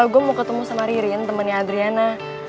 gue mau ketemu sama ririn temennya adriana